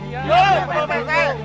iya pak rt